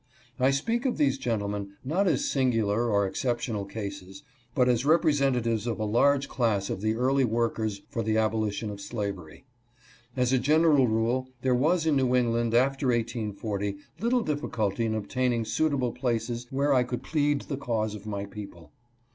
I speak of these gentlemen, not as singular or exceptional cases, but as representatives of a large class of the early workers for the abolition of slavery. \ As a general rule there was in New England after 1840, little difficulty in obtaining suitable places where I could plead the cause HARTFORD CLOSED ITS DOORS. 277 of my people.